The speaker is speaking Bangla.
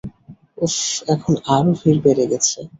উফ, এখন আরো ভিড় বেড়ে গেছে।